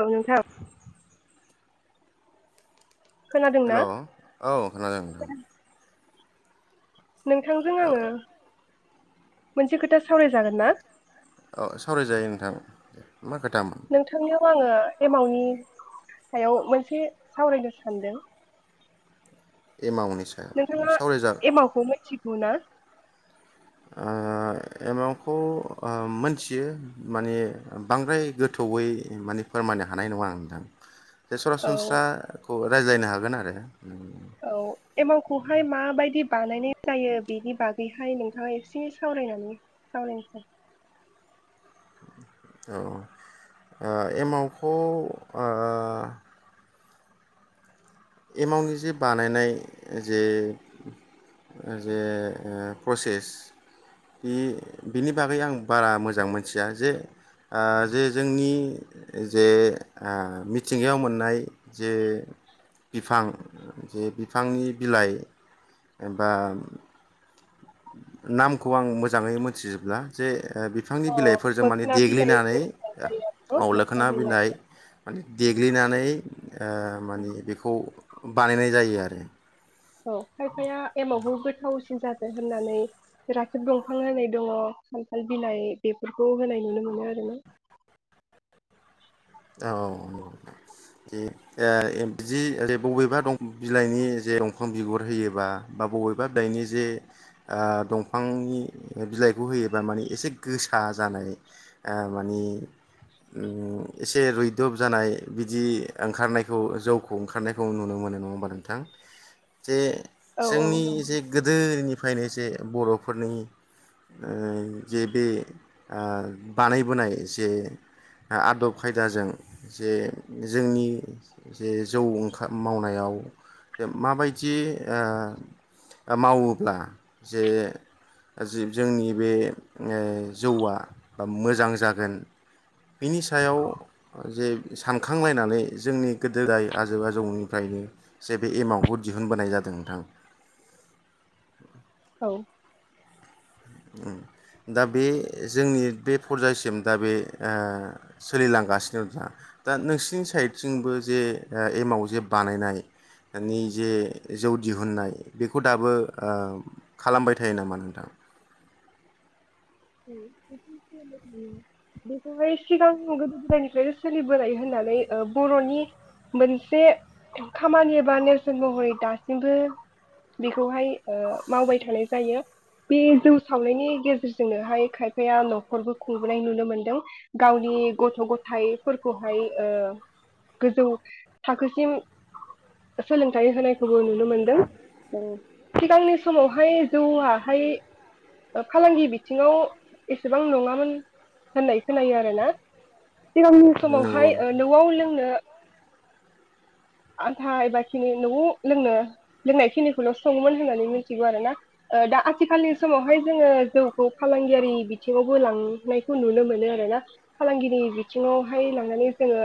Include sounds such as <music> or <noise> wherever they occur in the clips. औ नोंथां। खोनादोंना हेलौ औ खोनादों नोंथां। नोंथांजों आङो मोनसे खोथा सावराय जागोन ना? औ सावरायजायो नोंथां। मा खोथा मोन? नोंथांनियाव आङो एमावनि सायाव मोनसे सावरायनो सानदों। एमावनि सायाव सावराय जा- थिगौ ना? अ एमावखौ अ मोनथियो माने बांद्राय गोथौयै माने फोरमायनो हानाय नङा आं नोंथां। जे औ सरासनस्रा- खौ रायज्लायनो हागोन आरो उम। औ एमावखौहाय माबायदि बानायनाय जायो बेनि बागैहाय नोंथाङा एसे सावरायनानै सावरायनोसै। अ ओ एमावखौ अ एमावनि जे बानायनाय जे जे ओ प्रसेस बि बिनि बागै आं बारा मोजां मोनथिया जे अ जे जोंनि जे अ मिथिंगायाव मोननाय जे बिफां जे बिफांनि बिलाइ बा नामखौ आं मोजाङै मोनथिजोबला जे ओ बिफांनि अ बिलाइफोरजों माने मोखोना बिलाइ देग्लिनानै गोथाव जायो ओ आरो मोखोना लोखोना बिलाइ माने देग्लिनानै अ माने बेखौ बानायनाय जायो आरो। औ खायफाया एमावखो गोथावसिन जादो होननानै राखेब दंफां होनाय दङ खान्थाल बिनाय बेफोरखौ होनाय नुनो मोनो आरो ना। औ जे अ जे लेब बबेबा बिलाइनि जे दंफां बिगुर होयोबा बा बबेबा बिलाइनि जे ओ दंफांनि बिलाइखौ होयोबा मानि एसे गोसा जानाय अ मानि उम। एसे रुइदब जानाय बिदि ओंखारनायखौ जौखौ ओंखारनायखौ नुनो मोनो नङा होमबा नोंथां? जे औ जोंनि जे नंगौ गोदोनि फ्रायनो जे बर'फोरनि ओ जे बे ओ बानायबोनाय जे आदब खायदाजों जे जोंनि जे जौ ओंखाम मावनायाव माबायदि ओ मावोब्ला जे जोंनि बे ओ जौआ मोजां जागोन बिनि सायाव जे सानखांलायनानै जोंनि गोदोदाय आजौ आजौनिफ्रायनो जे बे एमावखौ दिहुनबोनाय जादों नोंथां। औ। उम दा बे जोंनि बे फरजासिम दा बे ओ सोलिलांगासिनो नोंथां दा नोंसिनि साइडथिंबो जे एमाव जे बानायनायनि जे जौ दिहुननाय बेखौ दाबो ओ खालामबाय थायो नामा नोंथां? बेखौहाय सिगां गोदो गोदायनिफ्रायनो सोलिबोनाय होननानै ओ बर'नि मोनसे खामानि बा नेरसोन महरै दासिमबो बेखौहाय ओ मावबाय थानाय जायो बे जौ सावनायनि गेजेरज जोंनोहाय खायफाया न'खरबो खुंबोनाय नुनो मोनदों गावनि गथ' गथायाइफोरखौहाय ओ गोजौ थाखोसिम सोलोंथाइ होनायखौबो नुनो मोनदों। सिगांनि समावहाय जौआहाय ओ फालांगि बि बिथिङाव एसेबां नङामोन होननाय खोनायो आरो ना। सिगांनि नंगौ समावहाय ओ न'आव लोंनो आन्था एबा खिनि न'आव लोंनो लोंनाय खिनिखौल' सङोमोन होननानै मिथिगौ आरोना। ओ दा आथिखालनि समावहाय जोङो जौखौ फालांगियारि बिथिङावबो लांनायखौ नुनो मोनो आर ना फालांगगिरि बिथिङावहाय लांनानै जोङो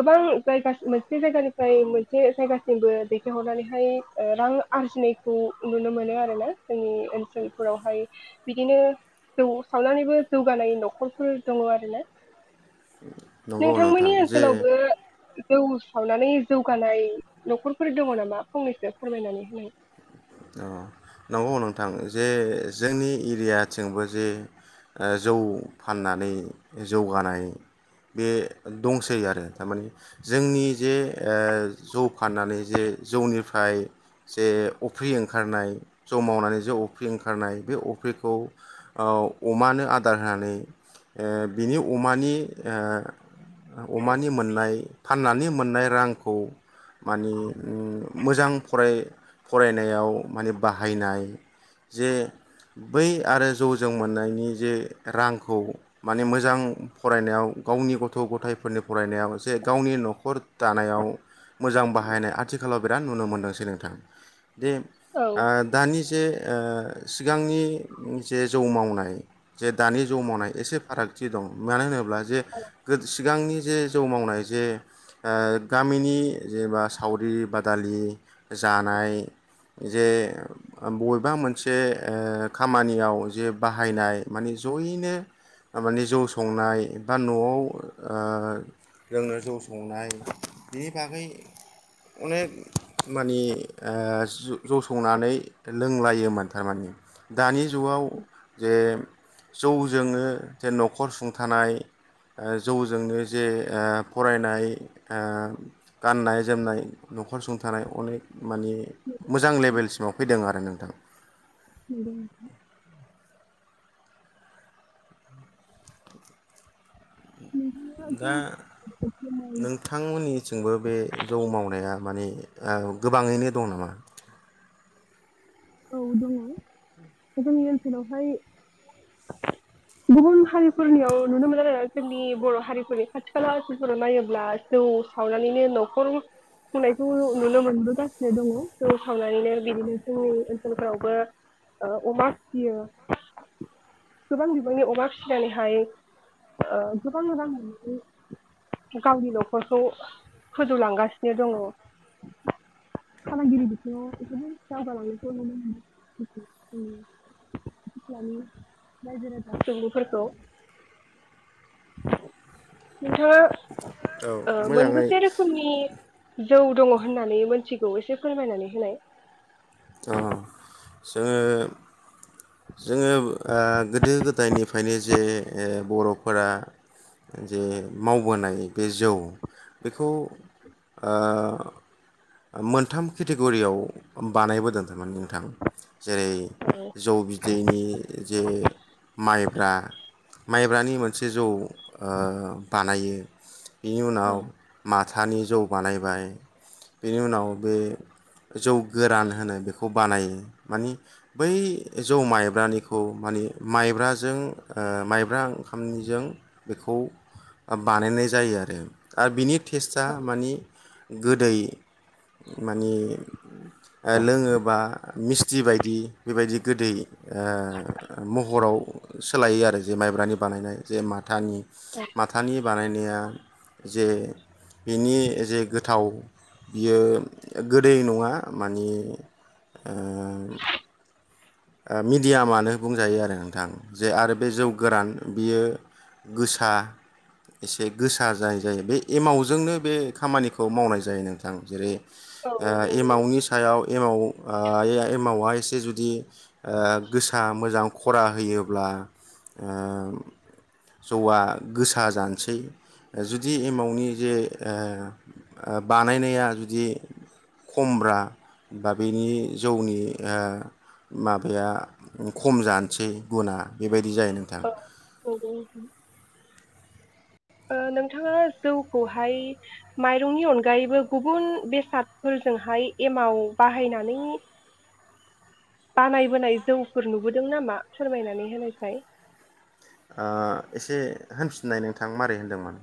गोबां जायगा मोनसे जायगानिफ्राय मोनसे जायगासिमबो दैथायहरनानैहाय ओ रां आरजिनायखौ नुनो मोनो आरो ना जोंनि ओनसोलफोरावहाय बिदिनो जौ सावनानैबो जौगानाय न'खरफोर दङ आरोना। नंगौ नोंथां नोंथांमोननि जे ओनसोलावबो जौ सावनानै जौगानाय न'खरफोर दङ नामा फंनैसो फोरमायनानै होनाय नंगौ नोंथां जे जोंनि एरियाथिंबो जे जौ फाननानै जौगानाय बे दंसै आरो थारमानि जोंनि जे जौ फाननानै जे जौनिफ्राय जे अफ्रि ओंखारनाय जौ मावनानै जौ अफ्रि ओंखारनाय बे अफ्रिखौ अमानो आदार होनानै बिनि अमानि अमानि मोननाय फाननानै मोननाय रांखौ मानि मोजां फराय फरायनायाव माने बाहायनाय जे बै आरो जौजों मोननायनि जे रांखौ माने मोजां फरायनायाव गावनि गथ' गथायफोरनि फरायनायाव जे गावनि न'खर दानायाव मोजां बाहायनाय आथिखालाव बिराद नुनो मोन्दों सोलोंथाइ दि औ दानि जे सिगांनि जे जौ मावनाय जे दानि जौ मावनाय एसे फारागथि दं मानो होनोब्ला जे सिगांनि जे जौ मावनाय जे गामिनि जेनेबा सावरि बादालि जानाय जे बबेबा मोनसे खामानियाव जे बाहायनाय माने जयैनो मानानि जौ संनाय बा न'आव लोंनो जौ संनाय बेनि बागै अनेक मानि जौसंनानै लोंलायोमोन थारमाने दानि जौआव जे जौ जोंनो जे न'खर सुंथानाय जौजोंनो जे फरायनाय गाननाय जोमनाय न'खर सुंथानाय अनेक मानि मोजां लेभेलसिमाव फैदों आरो नोंथां <inaudible> नोंथाङा दा जौखौहाय नोंथांमोननिथिंबो बे जौ मावनाया माने गोबाङैनो दं नामा औ दङ जोंनि ओनसोलावहाय गुबुन हारिफोरनियाव नुनो मोनो आरो जोंनि बर' हारिफोरनि खाथि खाला ओनोलफोराव नायोब्ला जौ सावनानैनो न'खर खुंनायखौ नुनो मोनबोगासिनो दङ जौ सावनानैनो बिदिनो जोंनि फोरावबो अमा फिसियो गोबां बिबांनि अमा फिसिनानैहाय गोबां मोजां मोननानै गावनि न'खरखौ फोजौलांगासिनो दङ फालांगिरि बिथिङाव दावगालाङो <inaudible> नोंथाङा औ मोजाङै मोनबोसे रोखोमनि जौ दङ होननानै मिथिगौ एसे फोरमायनानै होनाय अ जोङो जोङो गोदो गोदायनिफ्रायनो जे बर'फोरा जे मावबोनाय बे जौ बेखौ आ औ मोनथाम केटेगरियाव बानायबोदोंथारमोन नोंथां जेरै जौ बिदैनि जे माइब्रा माइब्रानि मोनसे जौ ओ बानायो बिनि औ उनाव मास फथानि जौ बानायबाय बेनि उनाव बे जौ गोरान होनो बेखौ बानायो मानि बै जौ माइब्रानिखौ मानिे माइब्राजों माइब्रा ओंखामनिजों बेखौ बानायनाय जायो आरो आरो बिनि टेस्टा मानि गोदै मानि लोङोबा मिस्थि बायदि बेबायदि गोदै ओ म हराव सोलायो आरो जे माइब्रानि बानायनाय जे माथानि माथानि बानायनाया जे बेनि जे गोथाव बियो गोदै नङा मानिे ओ मिडियामानो बुंजायो आरो नोंथां जे आरो बे जौ गोरान बियो गोसा एसे गोसा जानाय जायो बे एमाउटजोंनो बे खामानिखौ मावनाय जा जायो नोंथां जेरै औ ओ नंगौ एमावनि सायाव एमाव ओ ए-एमावा एसे जुदि ओ गोसा मोजां खरा होयोब्ला ओ जौआ गोसा जानोसै जुदि एमावटनि जे ओ बानायनाया जुदि खमब्रा बा बेनि जौनि ओ माबाया खम जानोसै गुना बेबायदि जायो नोंथां <unintelligible> ओ नोंथाङा जौखौहाय माइरंनि अनगायैबो गुबुन बेसादफोरजोंहाय एमाव बाहायनानै बानायबोनाय जौफोर नुबोदों नामा फोरमायनानै होनायसाय ओ एसे होनफिननाय नोंथां माबै होनदोंमोन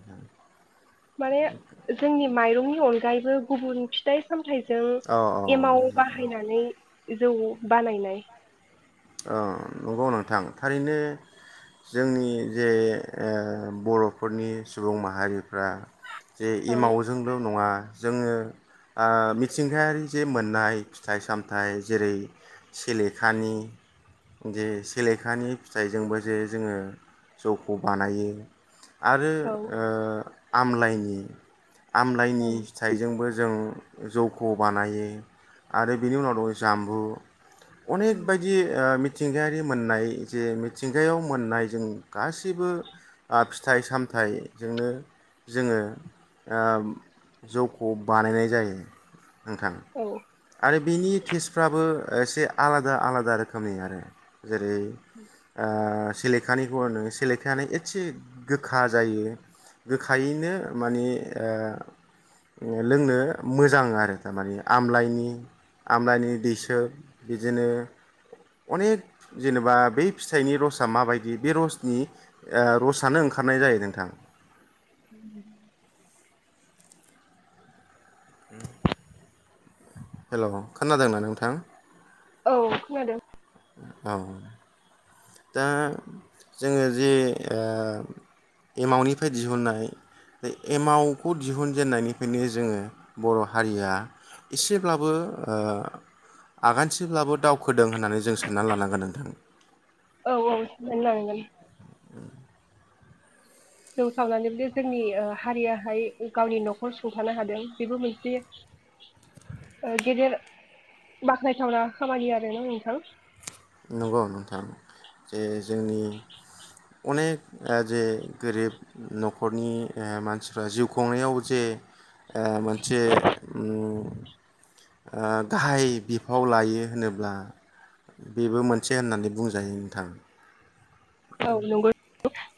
माने जोंनि माइरंनि अन गायैबो गुबुन फिथाइ सामथाय जों औ एमाव बाहायनानै जौ बानायनाय ओ नंगौ नोंथां थारैनो जोंनि जे बर'फोरनि सुबुं माहारिफ्रा जे औ एमावजोंल' नङा जोङो ओ मिथिंगायारि जे मोननाय फिथाइ सामथाइ जेरै सेलेखानि जे सेलेखानि फिथाइजोंबो जे जोङो जौखौ बानायो आरो औ ओ आमलाइनि औ आमलायनि फिथाइजोंबो जों जौखौ बानायो आरो बेनि उनाव दङ जाम्बु अनेक बायदि ओ मिथिंगायारि मोननाय जे मिथिंगायाव मोननाय जों गासैबो ओ फिथाइ सामथाइजोंनो जोङो ओ जौखौ बानायनाय जायो। नोंथां। औ आरो बेनि टेस्टफ्राबो एसे आलादा आलादा रोखोमनि आरो। जेरै ओ सिलेखानिखौनो सिलेखायानो एसे गोखा जायो गोखायैनो माने ओ लोंनो मोजां आरो थारमाने आमलाइनि आमलानि दैसोब बिदिनो अनेक जेनेबा बे फिथाइनि रसा माबायदि बे रसनि ओ रसनो ओंखारनाय जायो नोंथां। ओम <inaudible> हेलौ खोनादोंना नोंथां। औ खोनादों। औ। दा जोङो जे ओ एमावनिफ्राय दिहुननाय बे एमावखौ दिहुनजेननायनिफ्रायनो जोङो बर' हारिया एसेब्लाबो ओ आगानसेब्लाबो दावखोदों होननानै जों सानना लानांगोन नोंथां। औ-औ सनानैलांगोन। <unintelligible> जौ सावनानै जोंनि ओ हारियाहाय गावनि न'खर सुंथानो हादों बेबो मोनसे ओ गेदेर बाख्नायथावना खामानि आरोना नोंथां। नंगौ नोंथां जे जोंनि अनेक जे गोरिब न'खरनि ओ मानसिफ्रा जिउ खुंनायाव जे ओ मोनसे उम ओ गाहाय बिफाव लायो होनोब्ला बेबो मोनसे होननानै बुंजायो नोंथां। औ नंगौ।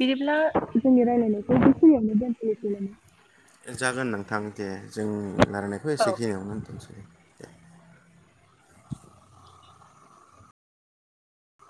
बिदिब्ला जोंनि रायलायनायखौ बेखिनियावनो दोनथनिसै। जागोन नोंथां दे जों रायलायनायखौ औ एसे खिनियावनो होनथ'निसै।